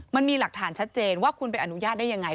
มันมีหลักฐานชัดเจนว่าคุณไปอนุญาตได้ยังไง